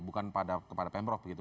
bukan kepada pembrok begitu